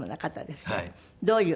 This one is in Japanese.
どういう？